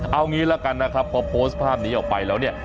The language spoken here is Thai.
เอางี้ละกันนะครับพอโพสต์ภาพนี้ออกไปแล้วเนี่ย